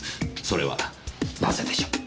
それはなぜでしょう？